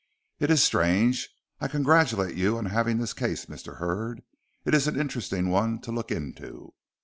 "It is strange. I congratulate you on having this case, Mr. Hurd. It is an interesting one to look into."